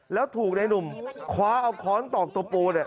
แล้วถูกนายนุ่มคว้าเอาข้อนต่อกตัวปู